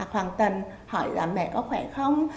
hoàng tần hỏi là mẹ có khỏe không